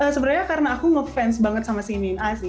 sebenarnya karena aku ngefans banget sama si mina sih